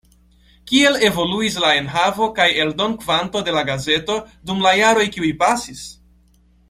Kiel evoluis la enhavo kaj eldonkvanto de la gazeto dum la jaroj kiuj pasis?